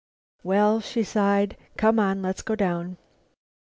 "Well," she sighed, "come on. Let's go down."